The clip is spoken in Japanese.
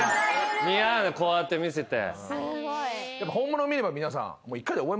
似合うこうやって見せて。